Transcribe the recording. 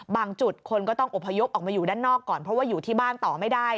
จุดคนก็ต้องอพยพออกมาอยู่ด้านนอกก่อนเพราะว่าอยู่ที่บ้านต่อไม่ได้